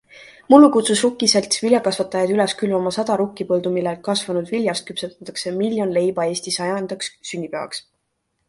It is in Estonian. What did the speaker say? Mullu kutsus rukkiselts viljakasvatajaid üles külvama sada rukkipõldu, millel kasvanud viljast küpsetatakse miljon leiba Eesti sajandaks sünnipäevaks.